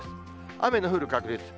雨の降る確率。